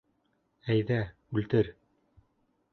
Әйҙә, үлтер!